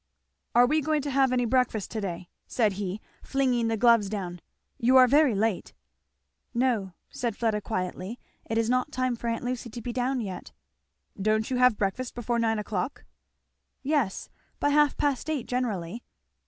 "Are we going to have any breakfast to day?" said he flinging the gloves down. "You are very late!" "No," said Fleda quietly, "it is not time for aunt Lucy to be down yet." "Don't you have breakfast before nine o'clock?" "Yes by half past eight generally."